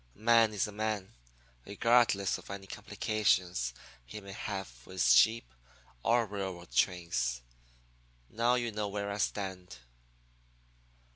A man is a man, regardless of any complications he may have with sheep or railroad trains. Now you know where I stand.'